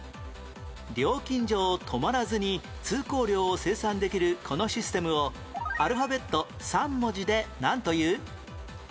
料金所を止まらずに通行料を精算できるこのシステムをアルファベット３文字でなんという？